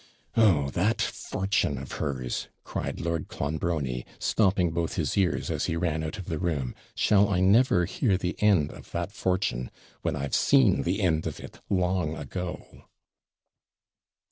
'Oh! that fortune of hers!' cried Lord Clonbrony, stopping both his ears as he ran out of the room; 'shall I never hear the end of that fortune, when I've seen the end of it long ago?'